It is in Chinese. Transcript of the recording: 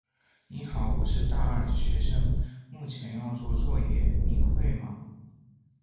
你好，我是大二的学生，目前要做作业，你会吗